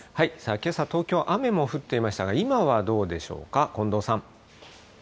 けさ、東京は雨も降っていましたが、今はどうでしょうか、近藤さん。